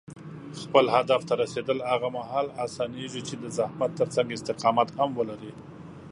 خپل هدف ته رسېدل هغه مهال اسانېږي چې د زحمت ترڅنګ استقامت هم لرې.